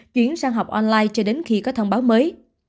chuyển sang học online cho đến khi có thông báo mới